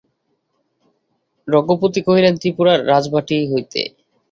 রঘুপতি কহিলেন, ত্রিপুরার রাজবাটী হইতে।